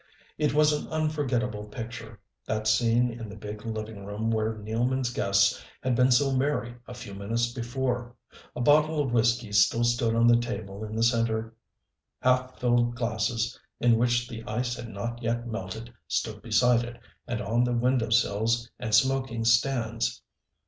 It was an unforgettable picture that scene in the big living room where Nealman's guests had been so merry a few minutes before. A bottle of whiskey still stood on the table in the center, half filled glasses, in which the ice had not yet melted, stood beside it and on the window sills and smoking stands.